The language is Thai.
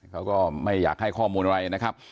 เขาก็ไม่อยากให้ข้อมูลอะไรนะครับ